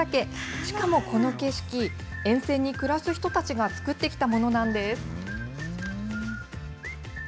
しかもこの景色、沿線に暮らす人たちが作ってきたものなんです。